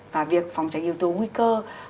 và việc phòng tránh yếu tố nguy cơ